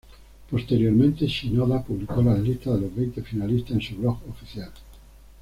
Posteriormente Shinoda publicó la lista de los veinte finalistas en su blog oficial.